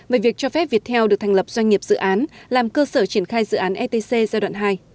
về việc cho phép việt theo được thành lập doanh nghiệp dự án làm cơ sở triển khai dự án etc giai đoạn hai